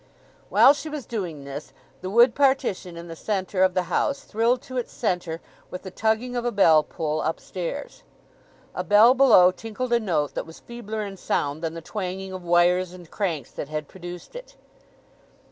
While she was doing this the wood partition in the centre of the house thrilled to its centre with the tugging of a bell pull upstairs. A bell below tinkled a note that was feebler in sound than the twanging of wires and cranks that had produced it.